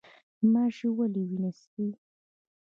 ماشی ولې وینه څښي؟